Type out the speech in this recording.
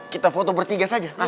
kita foto bertiga saja